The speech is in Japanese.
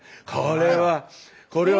これは。